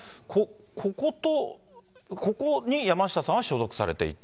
ここと、ここに山下さんは所属されていて。